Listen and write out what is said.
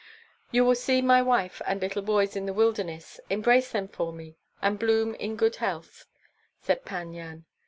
"You will see my wife and little boys in the wilderness: embrace them for me, and bloom in good health," said Pan Yan.